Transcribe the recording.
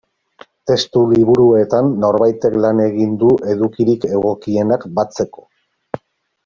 Testu liburuetan norbaitek lan egin du edukirik egokienak batzeko.